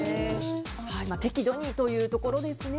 適度にというところですね。